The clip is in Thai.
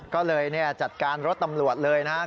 ก็เลยจัดการรถตำรวจเลยนะครับ